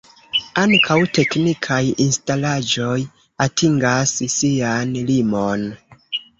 Ankaŭ teknikaj instalaĵoj atingas sian limon.